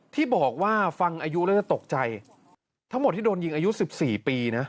ที่บอกว่าฟังอายุแล้วจะตกใจทั้งหมดที่โดนยิงอายุ๑๔ปีนะ